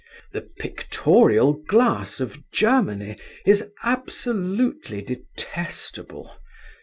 The pictorial glass of Germany is absolutely detestable.